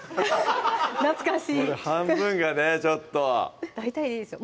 懐かしい半分がねちょっと大体でいいですよ